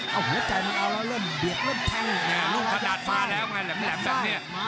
โอ้โหหัวใจมันเอาแล้วเริ่มเบียดเริ่มทังแล้วเริ่มจะฝ่าย